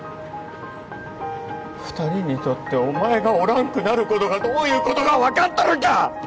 二人にとってお前がおらんくなることがどういうことか分かっとるんか！